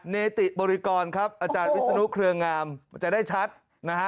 เนติบริกรครับอาจารย์วิศนุเครืองามจะได้ชัดนะฮะ